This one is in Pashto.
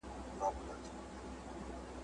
پر دې لار تر هیڅ منزله نه رسیږو ,